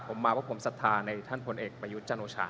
ผมมาว่าผมศรัทธาในท่านพลเอกประยุทธ์จันโอชา